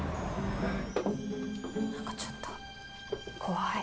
何かちょっと怖い。